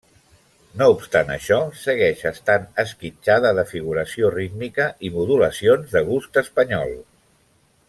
No obstant això, segueix estant esquitxada de figuració rítmica i modulacions de gust espanyol.